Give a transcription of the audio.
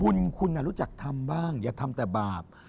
คุณคุณรู้จักทำบ้างอย่าทำแต่บาป